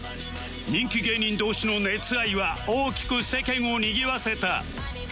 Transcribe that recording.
人気芸人同士の熱愛は大きく世間をにぎわせた